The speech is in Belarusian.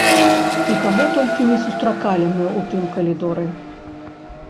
І каго толькі не сустракалі мы ў тым калідоры!